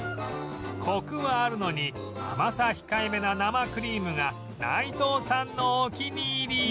コクはあるのに甘さ控えめな生クリームが内藤さんのお気に入り